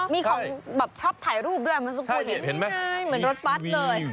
มีของชอบถ่ายรูปด้วยเหมือนรถปั๊ดเลย